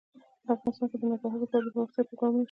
افغانستان کې د ننګرهار لپاره دپرمختیا پروګرامونه شته.